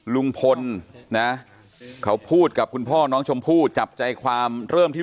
ลุงพลนะเขาพูดกับคุณพ่อน้องชมพู่จับใจความเริ่มที่